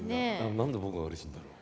何で僕がうれしいんだろう？